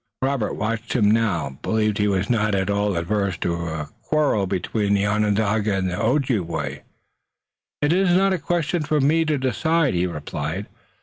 Robert, watching him now, believed he was not at all averse to a quarrel between the Onondaga and the Ojibway. "It is not a question for me to decide," he replied.